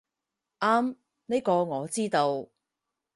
啱，呢個我知道